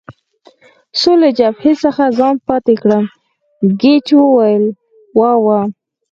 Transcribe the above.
څو له جبهې څخه ځان پاتې کړم، ګېج وویل: وا وا.